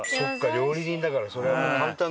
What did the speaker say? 料理人だからそれはもう簡単でしょ。